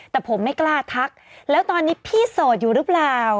แต่ผมไม่กล้าทักแล้วตอนนี้พี่โสดอยู่หรือเปล่า